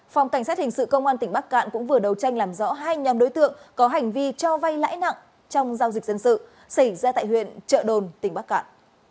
phòng cảnh sát hình sự công an tỉnh bắc cạn cũng vừa đầu tranh làm rõ hai nhóm đối tượng có hành vi cho vay lãi nặng trong giao dịch dân sự xảy ra tại huyện trợ đồn tỉnh bắc cạn